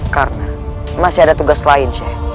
karena masih ada tugas lain sheikh